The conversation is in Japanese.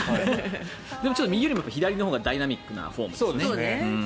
でも、右よりも左のほうがダイナミックなフォームですね。